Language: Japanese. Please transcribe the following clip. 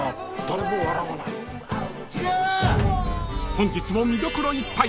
［本日も見どころいっぱい］